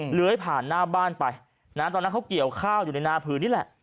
เหลือให้ผ่านหน้าบ้านไปนะตอนนั้นเขาเกี่ยวข้าวอยู่ในนาผืนนี่แหละ